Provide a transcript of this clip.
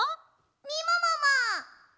みももも！